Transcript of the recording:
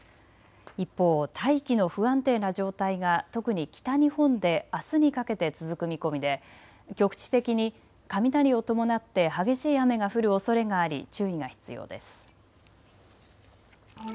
一方、大気の不安定な状態が特に北日本であすにかけて続く見込みで局地的に雷を伴って激しい雨が降るおそれがあり注意が必要です。